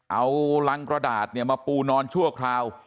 เอารังกระดาษมาปูนอนชั่วคราว